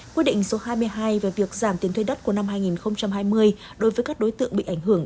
quyết định số hai mươi hai về việc giảm tiền thuê đất của năm hai nghìn hai mươi đối với các đối tượng bị ảnh hưởng